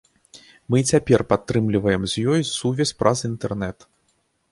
Мы і цяпер падтрымліваем з ёй сувязь праз інтэрнэт.